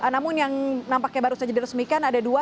namun yang nampaknya baru saja diresmikan ada dua